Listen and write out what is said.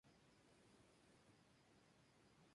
La capital del municipio es la localidad de Ayo Ayo.